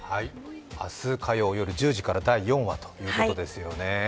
明日火曜夜１０時から第４話ということですよね。